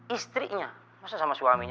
istrinya masa sama suaminya